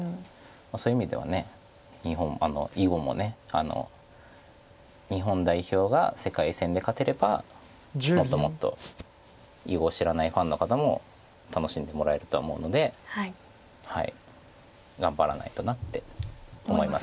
そういう意味では囲碁も日本代表が世界戦で勝てればもっともっと囲碁を知らないファンの方も楽しんでもらえるとは思うので頑張らないとなって思います。